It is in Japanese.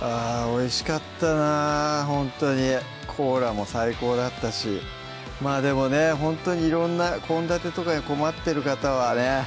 あぁおいしかったなほんとにコーラも最高だったしまぁでもねほんとに色んな献立とかに困ってる方はね